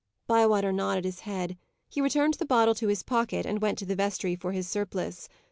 Bywater nodded his head. He returned the bottle to his pocket, and went to the vestry for his surplice.